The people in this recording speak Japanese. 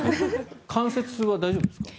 関節痛は大丈夫ですか？